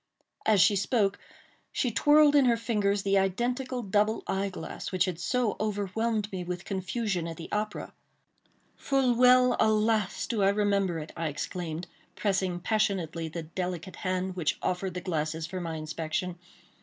As she spoke she twirled in her fingers the identical double eye glass which had so overwhelmed me with confusion at the opera. "Full well—alas! do I remember it," I exclaimed, pressing passionately the delicate hand which offered the glasses for my inspection.